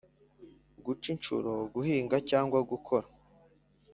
guca inshuro guhinga cyangwa gukora